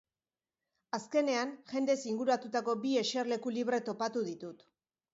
Azkenean, jendez inguratutako bi eserleku libre topatu ditut.